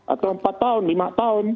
atau empat tahun lima tahun